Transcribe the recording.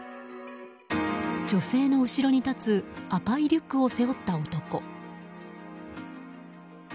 女性の後ろに立つ赤いリュックを背負った男。